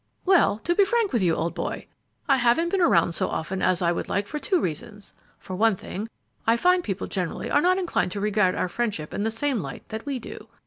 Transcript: "Well, to be frank with you, old boy, I haven't been around so often as I would like for two reasons; for one thing, I find people generally are not inclined to regard our friendship in the same light that we do.